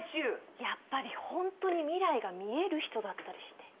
やっぱりほんとに未来が見える人だったりして。